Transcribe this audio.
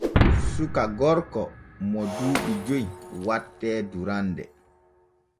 Suka gorko mo duuɓi joy wattee durande.